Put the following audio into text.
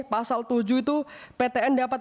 pasal tujuh itu ptn dapat